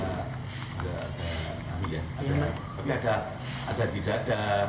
ada ada tidak ada